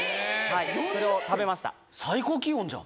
それを食べました。